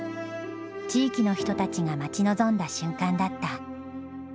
地域の人たちが待ち望んだ瞬間だった。